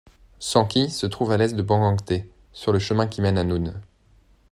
Sanki se trouve à l'est de Bangangté, sur le chemin qui mène au Noun.